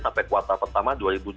sampai kuartal pertama dua ribu dua puluh